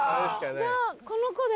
じゃあこの子で。